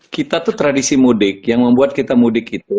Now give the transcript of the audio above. kita tuh tradisi mudik yang membuat kita mudik itu